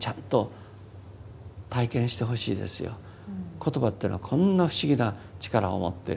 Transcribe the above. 言葉っていうのはこんな不思議な力を持ってる。